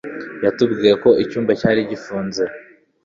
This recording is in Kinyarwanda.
yatubwiye ko icyumba cyari gifunze